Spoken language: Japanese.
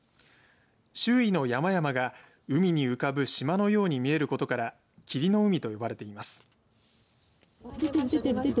周囲の山々が海に浮かぶ島のように見えることから霧の海と呼ばれています。